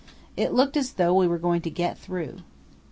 It looked as though we were going to get through.